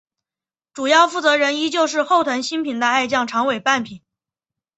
主要负责人依旧是后藤新平的爱将长尾半平。